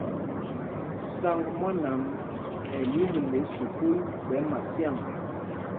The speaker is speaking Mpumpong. Saŋg mwân am ɛ yekle sukûl ɓɛ Masyâŋ.